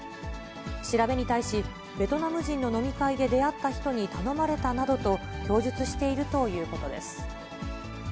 調べに対し、ベトナム人の飲み会で出会った人に頼まれたなどと供述しているということです。